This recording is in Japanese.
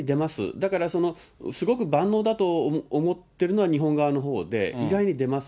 だから、すごく万能だと思ってるのは日本側のほうで、意外に出ます。